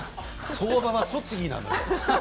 相場は栃木なのよ。